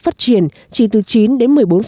phát triển chỉ từ chín đến một mươi bốn